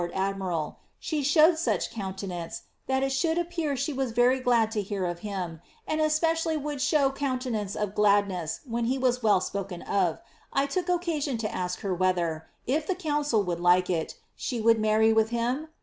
■ LIIABBTH* ST 4ifmld be had of the lord edmiral, she showed such countenance that n should appear she was very glad to hear of him, anct especially would show countenance of gladness when he was well spoken of, I took occasion to ask her whether, if the council would iike it, she would many with him